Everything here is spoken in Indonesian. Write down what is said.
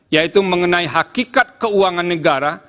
yaitu mengenai hakikat keuangan negara